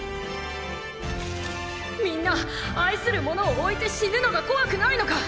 みんな愛する者を置いて死ぬのが怖くないのか⁉